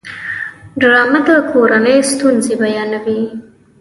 ډرامه د کورنۍ ستونزې بیانوي